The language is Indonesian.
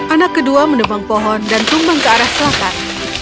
anak kedua menebang pohon dan tumbang ke arah selatan